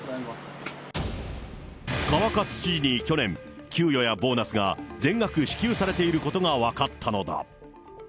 川勝知事に去年、給与やボーナスが全額支給されていることが分かったのだ。